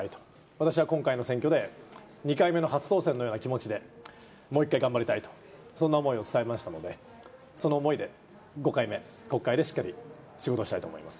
私は今回の選挙で２回目の初当選のような気持ちで、もう一回頑張りたいと、そんな思いを伝えましたので、その思いで５回目、国会でしっかり仕事をしたいと思います。